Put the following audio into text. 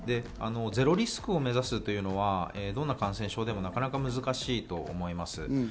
ゼロリスクを目指すというのは、どんな感染症でもなかなか難しいと思います。